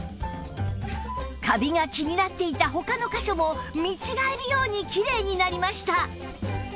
カビが気になっていた他の箇所も見違えるようにきれいになりました